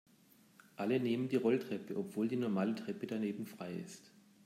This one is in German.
Alle nehmen die Rolltreppe, obwohl die normale Treppe daneben frei ist.